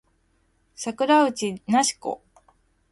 桜内梨子